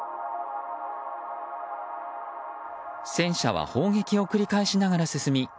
戦車は砲撃を繰り返しながら進み